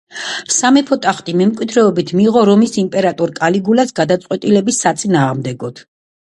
სამეფო ტახტი მემკვიდრეობით მიიღო რომის იმპერატორ კალიგულას გადაწყვეტილების საწინააღმდეგოდ.